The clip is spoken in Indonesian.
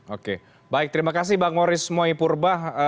oke baik terima kasih bang moris moipurbah